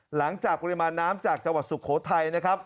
หลังจากปริมาณน้ำจากจังหวัดสุโขทัยนะครับ